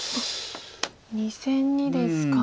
２線にですか。